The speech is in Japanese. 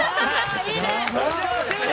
いいね！